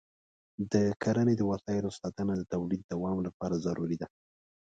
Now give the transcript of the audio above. د کرني د وسایلو ساتنه د تولید دوام لپاره ضروري ده.